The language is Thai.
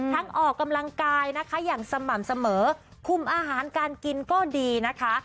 ออกกำลังกายนะคะอย่างสม่ำเสมอคุมอาหารการกินก็ดีนะคะ